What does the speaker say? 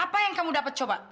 apa yang kamu dapat coba